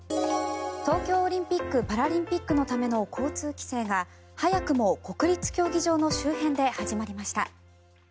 東京オリンピック・パラリンピックのための交通規制が早くも国立競技場の周辺で始まりました。